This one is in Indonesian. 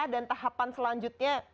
dan tahapan selanjutnya